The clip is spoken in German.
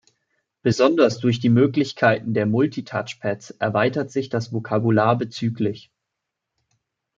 Besonders durch die Möglichkeiten der Multi-Touchpads erweitert sich das Vokabular bzgl.